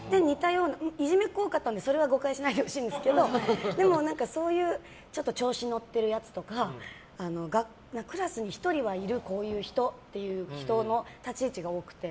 いじめっ子が多かったのでそれは誤解しないでほしいんですけどそういう調子に乗ってるやつとかクラスに１人はいるこういう人っていう立ち位置が多くて。